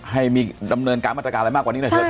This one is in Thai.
ให้มีดำเนินการมาตรการอะไรมากกว่านี้หน่อยเถอ